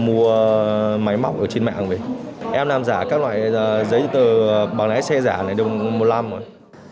em làm máy móc ở trên mạng vậy em làm giả các loại giấy tờ bằng lái xe giả này được một năm rồi